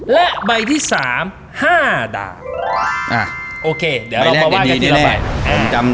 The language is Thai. และใบที่สามห้าดาบอ่ะโอเคเดี๋ยวเรามาว่ากันทีละใบผมจำ